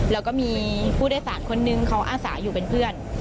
แล้วก็มีผู้โดยสารคนนึงเขาอาสาอยู่เป็นเพื่อน